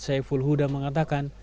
syai fulhuda mengatakan